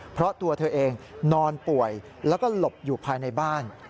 เพราะตัวเธอเองนอนป่วยแล้วก็หลบอยู่ภายในบ้าน